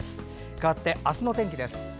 かわって、明日の天気です。